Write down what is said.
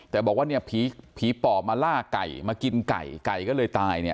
แต่บอกว่าเนี่ยผีผีปอบมาล่าไก่มากินไก่ไก่ก็เลยตายเนี่ย